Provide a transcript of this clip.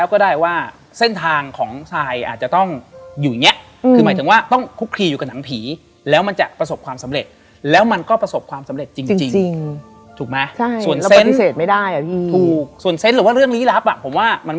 กล้องไหนก็มีปัญหาเรื่องเสียงแก